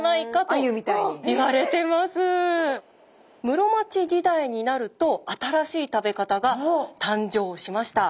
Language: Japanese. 室町時代になると新しい食べ方が誕生しました。